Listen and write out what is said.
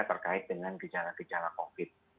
terkait dengan gejala gejala covid sembilan belas